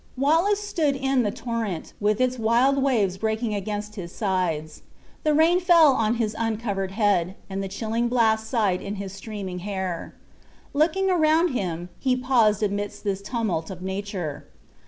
Wallace stood in the torrent, with its wild waves breaking against his sides. The rain fell on his uncovered head, and the chilling blast sighed in his streaming hair. Looking around him, he paused amidst this tumult of nature.